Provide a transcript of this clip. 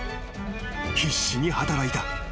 ［必死に働いた。